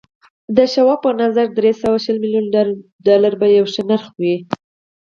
د شواب په نظر دري سوه شل ميليونه ډالر به يو ښه نرخ وي.